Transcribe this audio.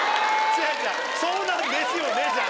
違う違う「そうなんですよね」じゃねえ。